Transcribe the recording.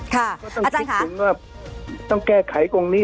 ก็ต้องคิดถึงว่าต้องแก้ไขตรงนี้สิ